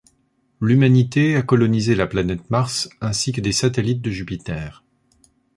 L'humanité a colonisé la planète Mars ainsi que des satellites de Jupiter.